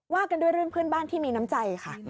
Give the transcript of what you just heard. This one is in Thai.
กันด้วยเรื่องเพื่อนบ้านที่มีน้ำใจค่ะ